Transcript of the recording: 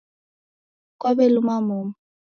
Kwaw'eluma momu